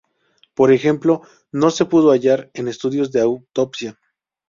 Por ejemplo, no se pudo hallar en estudios de autopsia.